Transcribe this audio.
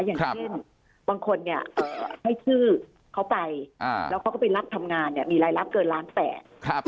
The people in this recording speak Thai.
อย่างเช่นบางคนเนี่ยให้ชื่อเขาไปแล้วเขาก็ไปรับทำงานเนี่ยมีรายรับเกินล้านแปด